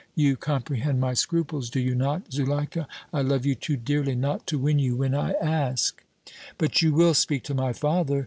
You comprehend my scruples, do you not, Zuleika? I love you too dearly not to win you when I ask!" "But you will speak to my father?"